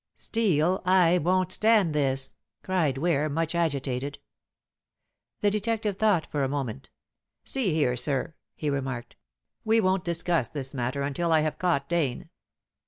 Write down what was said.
"Steel, I won't stand this!" cried Ware, much agitated. The detective thought for a moment. "See here, sir," he remarked, "we won't discuss this matter until I have caught Dane."